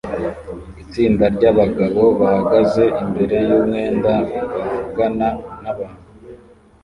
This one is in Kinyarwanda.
Itsinda ryabagabo bahagaze imbere yumwenda bavugana nabantu